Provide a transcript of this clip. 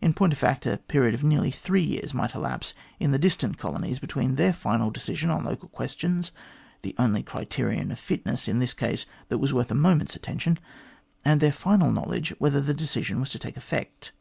In point of fact, a period of nearly three years might elapse in the distant colonies between their final decision on local questions the only criterion of fitness in this case that was worth a moment's attention and their final knowledge whether the decision was to take effect.